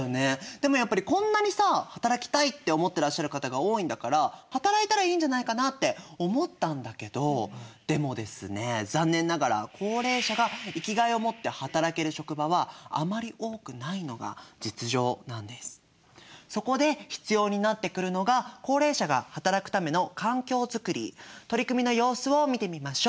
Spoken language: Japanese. でもやっぱりこんなにさ働きたいって思ってらっしゃる方が多いんだから働いたらいいんじゃないかなって思ったんだけどでもですね残念ながらそこで取り組みの様子を見てみましょう！